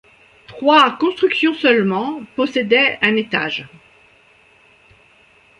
Trois constructions seulement possédaient un étage.